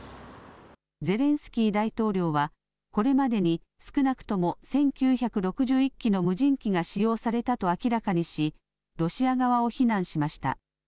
ゼレンスキー大統領はこれまでに少なくとも１９６１機の無人機が使用されたと明らかにしロシア側を非難しました。